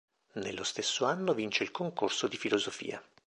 Nello stesso anno vince il concorso di filosofia.